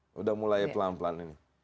sudah mulai pelan pelan ini